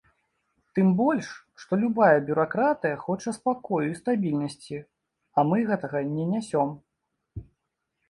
Тым больш, што любая бюракратыя хоча спакою і стабільнасці, а мы гэтага не нясём.